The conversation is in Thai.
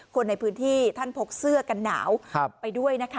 คนในพื้นที่ท่านพกเสื้อกันหนาวไปด้วยนะคะ